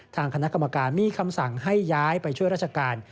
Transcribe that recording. ทางคณะกรรมการมีคำสั่งให้ย้ายไปช่วยราชการ